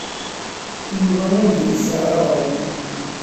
Yuba ur d-yessaɣ aɣrum.